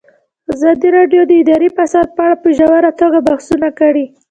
ازادي راډیو د اداري فساد په اړه په ژوره توګه بحثونه کړي.